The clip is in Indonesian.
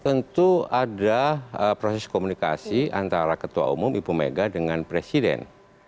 tentu ada proses komunikasi antara ketua umum ibu mega dengan presiden